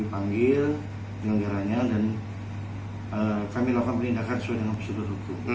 kami panggil penyelenggaranya dan kami lakukan perlindakan sesuai dengan persidu rukun